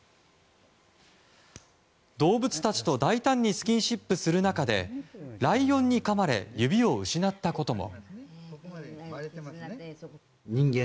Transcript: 動物たちと大胆にスキンシップする中でライオンにかまれ指を失ったことも。